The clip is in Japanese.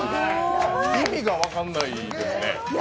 意味が分からないですね。